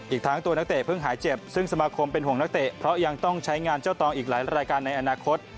อีกทั้งตัวนักเตะเพิ่งหายเจ็บซึ่งสมาคมเป็นห่วงนักเตะเพราะยังต้องใช้งานเจ้าตองอีกหลายรายการในอนาคต